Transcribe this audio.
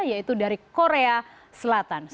yaitu dari korea selatan